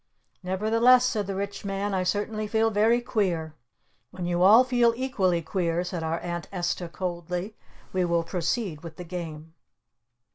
"Nevertheless," said the Rich Man, "I certainly feel very queer." "When you all feel equally queer," said our Aunt Esta coldly, "we will proceed with the Game."